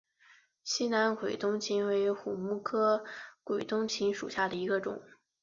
西南鬼灯檠为虎耳草科鬼灯檠属下的一个种。